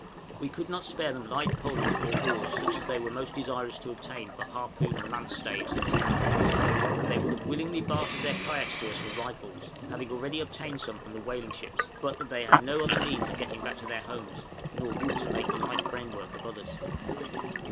We could not spare them light poles or oars such as they were most desirous to obtain for harpoon and lance staves and tent poles; and they would willingly have bartered their kayaks to us for rifles (having already obtained some from the whaling ships), but that they had no other means of getting back to their homes, nor wood to make the light framework of others.